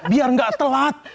biar nggak telat